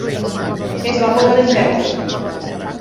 Es va posar dempeus.